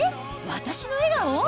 私の笑顔？